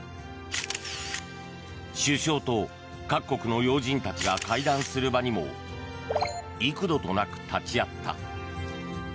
首相と各国の要人たちが会談する場にも幾度となく立ち会った。